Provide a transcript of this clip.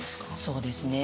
そうですね。